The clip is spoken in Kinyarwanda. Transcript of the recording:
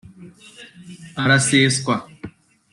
araseswa